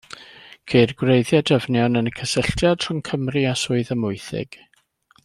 Ceir gwreiddiau dyfnion yn y cysylltiad rhwng Cymru a Swydd Amwythig.